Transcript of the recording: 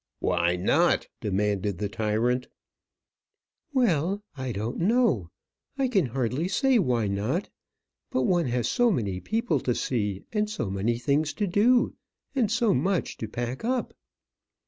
"Why not?" demanded the tyrant. "Well, I don't know. I can hardly say why not; but one has so many people to see, and so many things to do, and so much to pack up."